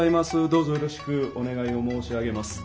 どうぞよろしくお願いを申し上げます。